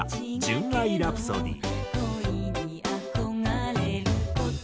『純愛ラプソディ』。